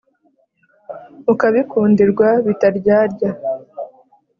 Ukabikundirwa bitaryarya